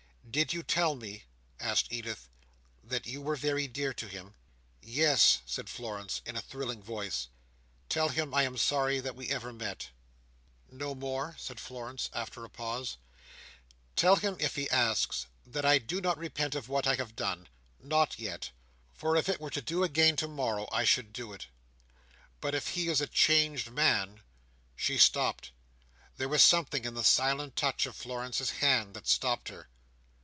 "Did you tell me," asked Edith, "that you were very dear to him?" "Yes!" said Florence, in a thrilling voice. "Tell him I am sorry that we ever met." "No more?" said Florence after a pause. "Tell him, if he asks, that I do not repent of what I have done—not yet—for if it were to do again to morrow, I should do it. But if he is a changed man— " She stopped. There was something in the silent touch of Florence's hand that stopped her.